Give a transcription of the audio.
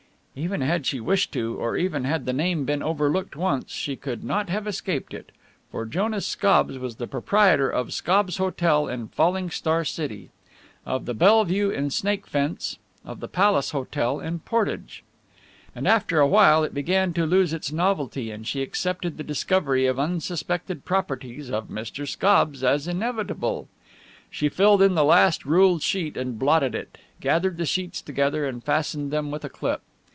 Even had she wished to, or even had the name been overlooked once, she could not have escaped it. For Jonas Scobbs was the proprietor of Scobbs' Hotel in Falling Star City; of the Bellevue in Snakefence, of the Palace Hotel in Portage. After awhile it began to lose its novelty and she accepted the discovery of unsuspected properties of Mr. Scobbs as inevitable. She filled in the last ruled sheet and blotted it, gathered the sheets together and fastened them with a clip.